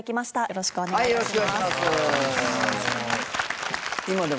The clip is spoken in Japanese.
よろしくお願いします。